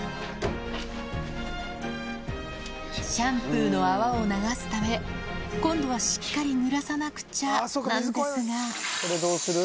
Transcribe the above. シャンプーの泡を流すため、今度はしっかりぬらさなくちゃなんですが。